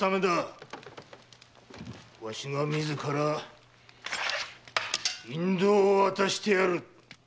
わしが自ら引導を渡してやる。